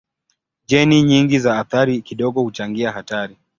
Jeni nyingi za athari kidogo huchangia hatari.